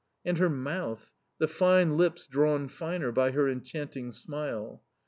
And her mouth, the fine lips drawn finer by her enchanting smile.